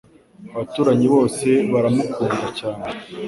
Abaturanyi bose baramukunda cyane